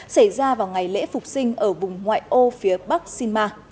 xảy ra vào ngày lễ phục sinh ở vùng ngoại ô phía bắc sinma